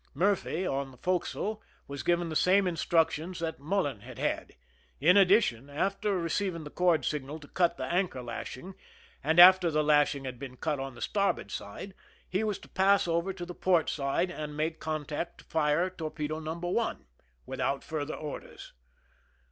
Murphy, on the forecastle, was given the same in structions that Mullen had had ; in addition, after receiving the cord signal to cut the anchor lashing, and after the lashing had been cut on the starboard side, he was to pass over to the port side and make contact to fire torpedo No. 1 without further orders.